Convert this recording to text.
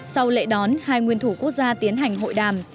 sau lễ đón hai nguyên thủ quốc gia tiến hành hội đàm